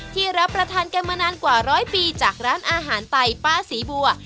รับประทานกันมานานกว่าร้อยปีจากร้านอาหารไตป้าศรีบัว